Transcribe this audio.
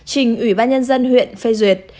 trình ủy ban nhân dân huyện phê duyệt